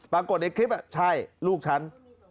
ปรากฏในคลิปใช่ลูกฉัน